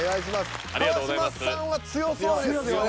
川島さんは強そうですよね